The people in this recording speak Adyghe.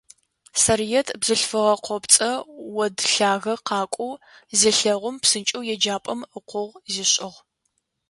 Сарыет бзылъфыгъэ къопцӏэ од лъагэ къакӏоу зелъэгъум, псынкӏэу еджапӏэм ыкъогъу зишӏыгъ.